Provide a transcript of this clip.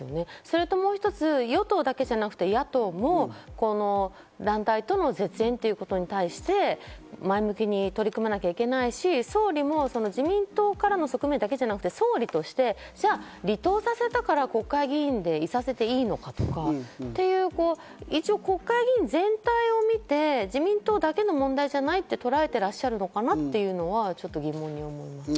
それともうひとつ、与党だけじゃなくて野党もこの団体との絶縁ということに対して、前向きに取り組まなきゃいけないし、総理も自民党からの側面だけじゃなくて、総理としてじゃあ離党させたから国会議員でいさせていいのかとかっていう国会議員全体を見て、自民党だけの問題じゃないととらえてらっしゃるのかなっていうのが疑問に思いました。